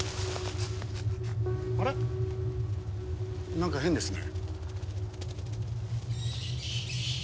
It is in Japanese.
なんか変ですね。